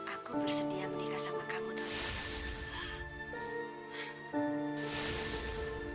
aku bersedia menikah sama kamu kali